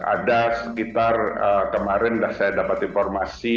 ada sekitar kemarin sudah saya dapat informasi